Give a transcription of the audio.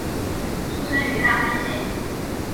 出身于大分县。